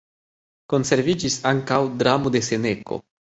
Konserviĝis ankaŭ dramo de Seneko.